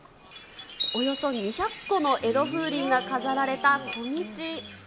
およそ２００個の江戸風鈴が飾られた小道。